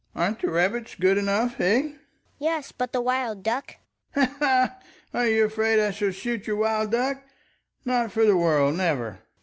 Ekdal. Aren't the rabbits good enough, eh ? Hedvig. Yes, but the wild duck ? Ekdal. Ha, ha ! Are you afraid I shall shoot your wild duck ? Not for the world, never.